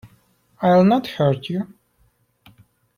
I’ll not hurt you.